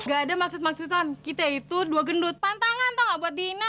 gak ada maksud maksudan kita itu dua gendut pantangan tau gak buat dihina